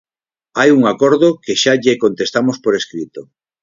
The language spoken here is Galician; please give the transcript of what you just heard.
Hai un acordo e xa lle contestamos por escrito.